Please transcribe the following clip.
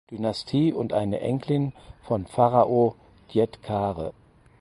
Dynastie und eine Enkelin von Pharao Djedkare.